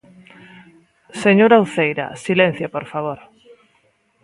Señora Uceira, silencio, por favor.